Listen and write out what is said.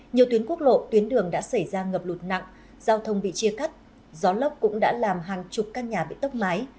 nhiều tuyến quốc lộ tuyến đường đã xảy ra ngập lụt nặng giao thông bị chia cắt gió lốc cũng đã làm hàng chục căn nhà bị tốc mái